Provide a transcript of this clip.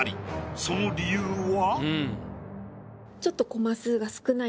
その理由は？